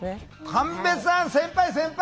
神戸さん先輩先輩